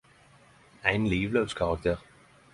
Ein livlaus karakter.